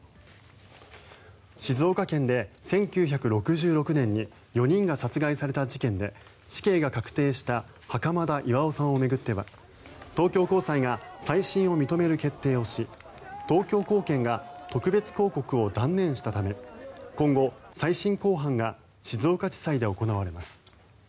静岡県で１９６６年に４人が殺害された事件で死刑が確定した袴田巌さんを巡っては東京高裁が再審を認める決定をし東京高検が特別抗告を断念したため今後、再審公判が静岡地裁で行われます。